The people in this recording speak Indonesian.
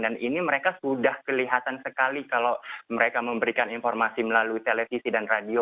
dan ini mereka sudah kelihatan sekali kalau mereka memberikan informasi melalui televisi dan radio